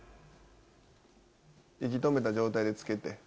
息止めた状態で着けて。